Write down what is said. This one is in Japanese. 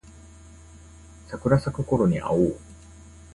桜咲くころに会おう